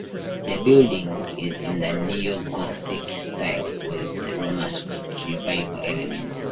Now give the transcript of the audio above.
The building is in the Neo-Gothic style, with Romanesque Revival elements.